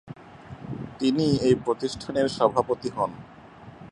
তিনি এই প্রতিষ্ঠানের সভাপতি হন।